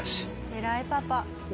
偉いパパ。